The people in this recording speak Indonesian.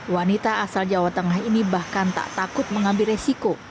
wanita asal jawa tengah ini bahkan tak takut mengambil resiko